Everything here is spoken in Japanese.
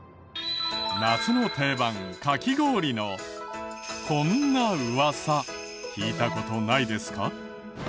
夏の定番かき氷のこんなウワサ聞いた事ないですか？